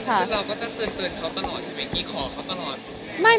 ซึ่งเราก็จะเตือนเขาตลอดใช่ไหมกี้ขอเขาตลอด